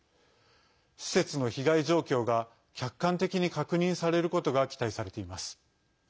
施設の被害状況が客観的に確認されることが期待されています。